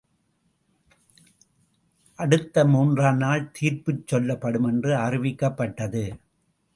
அடுத்த மூன்றாம் நாள் தீர்ப்புச் சொல்லப்படுமென்று அறிவிக்கப்பட்டது.